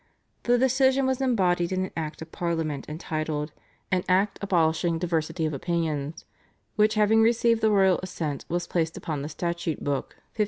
The decision was embodied in an Act of Parliament entitled "An Act abolishing diversity of Opinions," which having received the royal assent was placed upon the Statute Book (1539).